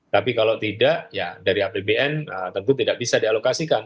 tapi kalau tidak ya dari apbn tentu tidak bisa dialokasikan